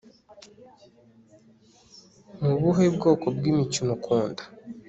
ni ubuhe bwoko bw'imikino ukunda